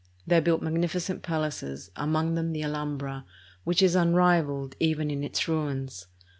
They built magnificent palaces, among them the Alhambra, which is unrivaled even in its ruins.